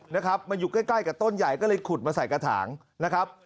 นะครับมันอยู่ใกล้ใกล้กับต้นใหญ่ก็เลยขุดมาใส่กระถางนะครับ